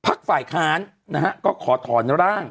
ฝ่ายค้านนะฮะก็ขอถอนร่าง